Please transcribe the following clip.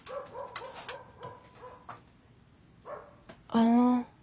あの。